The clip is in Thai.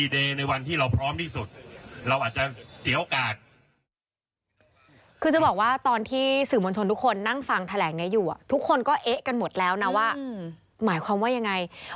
เดี๋ยวก่อน